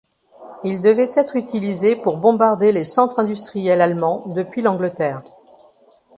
Il devait être utilisé pour bombarder les centres industriels allemands depuis l'Angleterre.